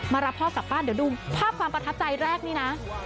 รับพ่อกลับบ้านเดี๋ยวดูภาพความประทับใจแรกนี่นะ